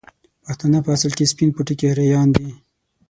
پښتانه په اصل کې سپين پوټکي اريايان دي